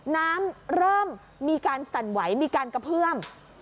น้ำเริ่มมีการสั่นไหวมีการกระเพื่อม